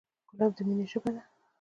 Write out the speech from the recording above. ګلاب د مینې ژبه ده.